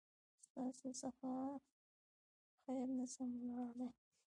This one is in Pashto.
ستاسو څخه خير نسم وړلای